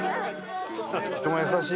人が優しい。